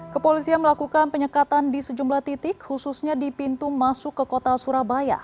kepolisian melakukan penyekatan di sejumlah titik khususnya di pintu masuk ke kota surabaya